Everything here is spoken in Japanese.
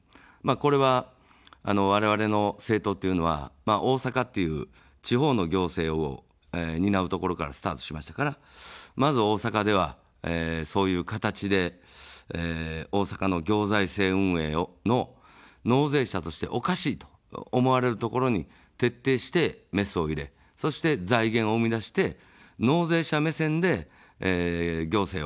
これは、われわれの政党というのは大阪という地方の行政を担うところからスタートしましたから、まず大阪では、そういう形で、大阪の行財政運営の納税者としておかしいと思われるところに徹底してメスを入れ、そして財源を生み出して納税者目線で、行政を動かしてきた。